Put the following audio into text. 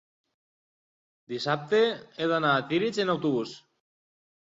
Dissabte he d'anar a Tírig amb autobús.